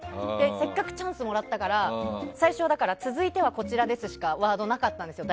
せっかくチャンスもらったから最初は、続いてはこちらですしかワードがなかったんですよ。